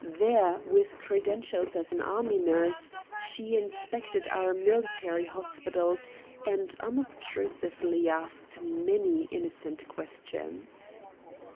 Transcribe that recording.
There, with credentials as an army nurse, she inspected our military hospitals and unobtrusively asked many innocent questions.